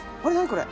これ。